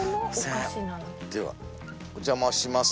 ではお邪魔します。